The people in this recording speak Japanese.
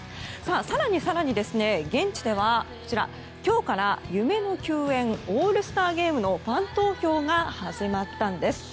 更に更に現地では今日から夢の球宴オールスターゲームのファン投票が始まったんです。